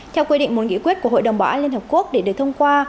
theo quy định một nghị quyết của hội đồng bảo an liên hợp quốc để được thông qua